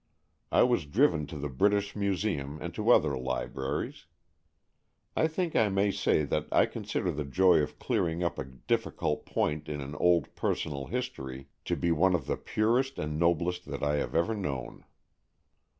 I was driven to the British Museum and to other libraries. I think I may say that I consider the joy of clearing up a difficult point in an old personal history to be one of the purest and noblest that I have known.